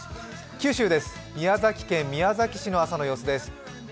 九州です、宮崎県宮崎市の朝の様子です。